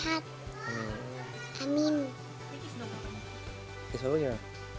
hai muah muah muah